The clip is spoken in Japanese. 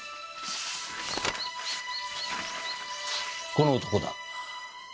この男だ。